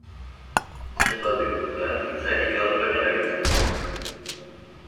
Zenbait lekutan, giza elikaduran erabiltzen da.